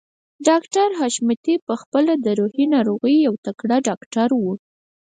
ډاکټر حشمتي په خپله د روحي ناروغيو يو تکړه ډاکټر و.